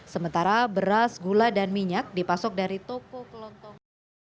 sementara beras gula dan minyak dipasok dari toko kelontong